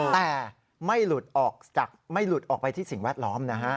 แต่ไม่หลุดออกไปที่สิ่งแวดล้อม